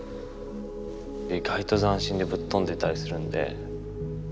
意外と斬新でぶっ飛んでたりするんで。